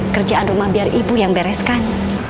kerjaan rumah biar ibu yang bereskan